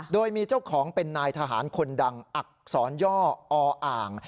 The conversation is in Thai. โดยมีเจ้าของเป็นนายทหารคนดังอักษรย่ออ่าง